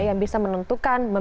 yang bisa menentukan